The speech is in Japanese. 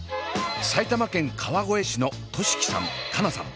埼玉県川越市の寿輝さん佳奈さん